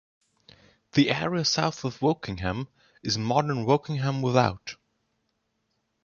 The area to the south of Wokingham is modern Wokingham Without.